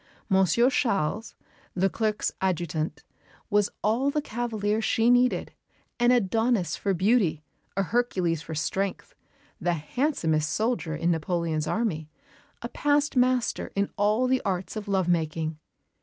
Monsieur Charles, Leclerc's adjutant, was all the cavalier she needed an Adonis for beauty, a Hercules for strength, the handsomest soldier in Napoleon's army, a past master in all the arts of love making.